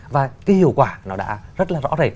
và cái hiệu quả nó đã rất là rõ rệt